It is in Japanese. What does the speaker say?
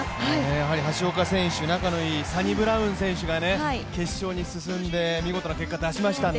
やはり橋岡選手、仲のいいサニブラウン選手が決勝に進んで見事な結果出しましたので。